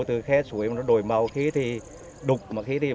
từ khe suối nó đổi màu khi thì đục mà khi thì màu